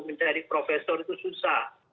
mencari profesor itu susah